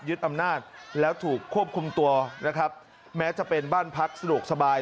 อำนาจแล้วถูกควบคุมตัวนะครับแม้จะเป็นบ้านพักสะดวกสบาย